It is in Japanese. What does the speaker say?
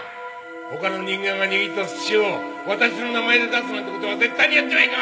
他の人間が握った寿司を私の名前で出すなんて事は絶対にやってはいかん！